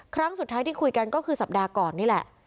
ครั้งสุดท้ายที่คุยกันก็คือสัปดาห์ก่อนนี่แหละ